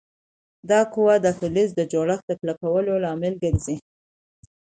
دا قوه د فلز د جوړښت د کلکوالي لامل ګرځي.